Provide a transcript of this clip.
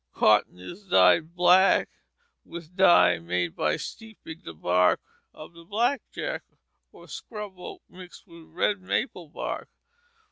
Cotton is dyed black with dye made by steeping the bark of the "Black Jack" or scrub oak mixed with red maple bark.